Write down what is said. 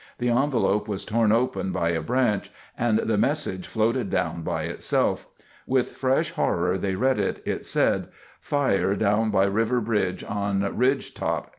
The envelope was torn open by a branch, and the message floated down by itself. With fresh horror they read it. It said, "Fire down by river bridge on ridge top.